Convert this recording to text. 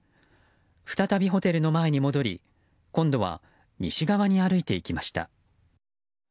再びホテルの前に戻り今度は西側に歩いていきました。